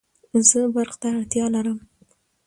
زه برق ته اړتیا لرم